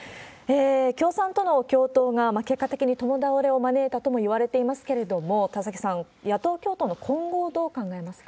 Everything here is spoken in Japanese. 共産との共闘が、結果的に共倒れを招いたともいわれていますけれども、田崎さん、野党共闘の今後をどう考えますか？